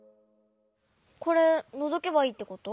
これのぞけばいいってこと？